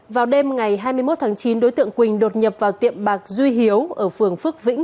vào đêm ngày hai mươi một tháng chín đối tượng quỳnh đột nhập vào tiệm bạc duy hiếu ở phường phước vĩnh